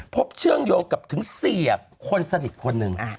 เชื่อมโยงกับถึงเสียคนสนิทคนหนึ่ง